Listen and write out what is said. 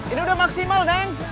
ini udah maksimal neng